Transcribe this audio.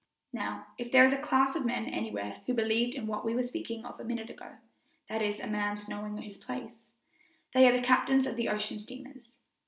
Now, if there is a class of men anywhere who believe in what we were speaking of a minute ago (that is, a man's knowing his place), they are the captains of the ocean steamers.